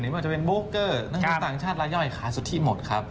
ไม่ว่าจะเป็นโบเกอร์นักทุนต่างชาติรายย่อยขายสุทธิหมดครับ